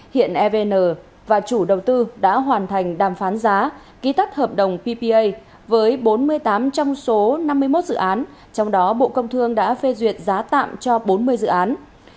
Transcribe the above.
hiện evn và chủ đầu tư đã hoàn thành đàm phán giá ký tắt hợp đồng ppa với bốn mươi tám trong số năm mươi một dự án trong đó bộ công thương đã phê duyệt giá tạm cho bốn mươi dự án